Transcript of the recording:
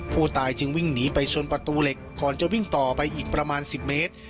ผู้ตายจึงวิ่งหนีไปชนประตูเหล็กก่อนจะวิ่งต่อไปอีกประมาณ๑๐เมตร